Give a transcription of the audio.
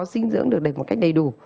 dinh dưỡng được một cách đầy đủ